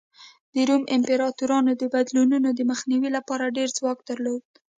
د روم امپراتورانو د بدلونونو د مخنیوي لپاره ډېر ځواک درلود